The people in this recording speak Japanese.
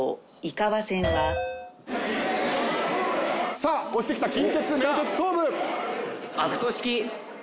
さあ押してきた近鉄・名鉄・東武！